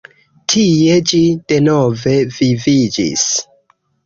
Tie ĝi denove viviĝis.